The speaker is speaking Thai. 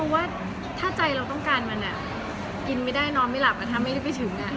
ว่าถ้าใจเราต้องการมันกินไม่ได้นอนไม่หลับถ้าไม่ได้ไปถึง